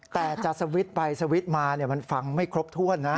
แต่จะสวิตช์ไปสวิตช์มามันฟังไม่ครบถ้วนนะ